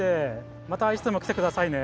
またいつでもきてくださいね！